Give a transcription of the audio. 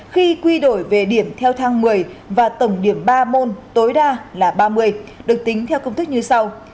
khi quy đổi về điểm theo thang một mươi và tổng điểm ba môn tối đa là ba mươi được tính theo công thức như sau